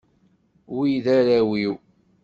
Wi d arraw-iw.